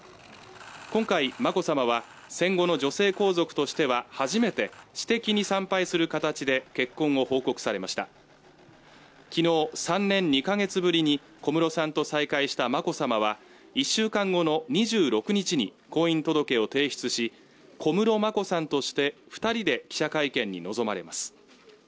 今回眞子さまは戦後の女性皇族としては初めて私的に参拝する形で結婚を報告されました昨日３年２か月ぶりに小室さんと再会した眞子さまは１週間後の２６日に婚姻届を提出し小室眞子さんとして二人で記者会見に臨まれます